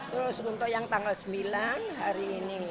terus untuk yang tanggal sembilan hari ini